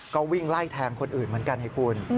ก็วิ่งไล่แทงคนอื่นเหมือนกันให้คุณ